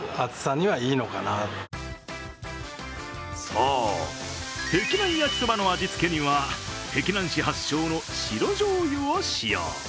そう、へきなん焼きそばの味付けには碧南市発祥の白じょうゆを使用。